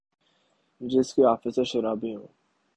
جس کے آفیسر شرابی ہوں